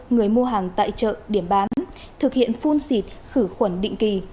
người mua hàng tại chợ điểm bán thực hiện phun xịt khử khuẩn định kỳ